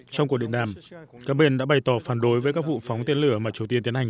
trong cuộc điện đàm các bên đã bày tỏ phản đối với các vụ phóng tên lửa mà triều tiên tiến hành